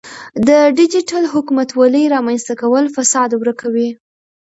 د ډیجیټل حکومتولۍ رامنځته کول فساد ورکوي.